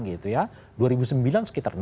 gitu ya dua ribu sembilan sekitar